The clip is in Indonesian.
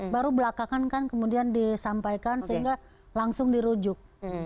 baru belakangan kan kemudian disampaikan sehingga langsung dirujuk